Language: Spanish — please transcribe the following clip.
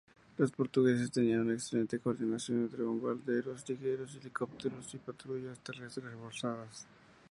Los portugueses tenían una excelente coordinación entre bombarderos ligeros, helicópteros y patrullas terrestres reforzadas.